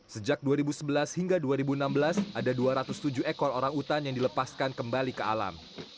sejak dua ribu sebelas hingga dua ribu enam belas ada dua ratus tujuh ekor orang utan yang dilepaskan kembali ke alam